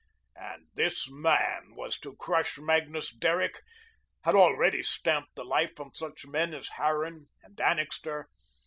And this man was to crush Magnus Derrick had already stamped the life from such men as Harran and Annixter.